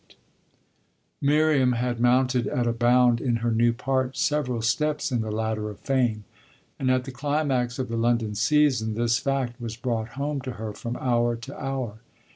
XLVIII Miriam had mounted at a bound, in her new part, several steps in the ladder of fame, and at the climax of the London season this fact was brought home to her from hour to hour.